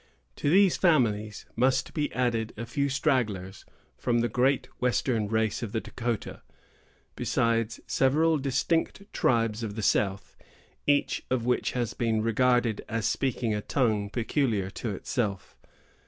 To these families must be added a few stragglers from the great western race of the Dahcotah, besides several distinct tribes of the south, each of which has been regarded as speaking a tongue peculiar to itself.